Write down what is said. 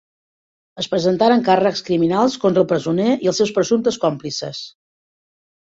Es presentaren càrrecs criminals contra el presoner i els seus presumptes còmplices.